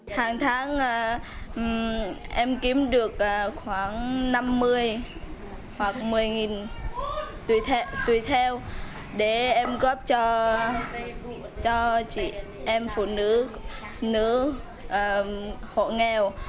hàng tháng em kiếm được khoảng năm mươi hoặc một mươi tùy theo để em góp cho chị em phụ nữ hộ nghèo